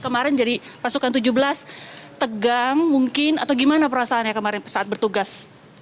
kemarin jadi pasukan tujuh belas tegang mungkin atau gimana perasaannya kemarin saat bertugas